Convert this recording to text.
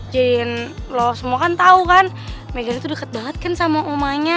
jadiin lo semua kan tahu kan megan itu deket banget kan sama omanya